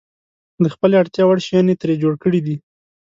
د خپلې اړتیا وړ شیان یې ترې جوړ کړي دي.